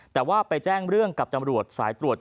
แต่ว่าไปแจ้งเรื่องกับจำรวจสายตรวจ